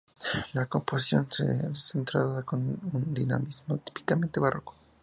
La composición es descentrada, con un dinamismo típicamente barroco.